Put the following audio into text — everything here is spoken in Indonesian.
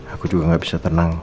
aku juga gak bisa tenang